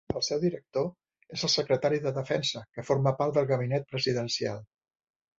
El seu director és el Secretari de Defensa, que forma part del gabinet presidencial.